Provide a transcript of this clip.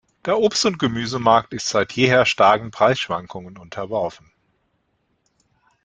Der Obst- und Gemüsemarkt ist seit jeher starken Preisschwankungen unterworfen.